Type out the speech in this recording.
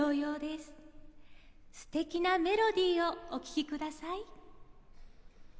すてきなメロディーをお聴きください。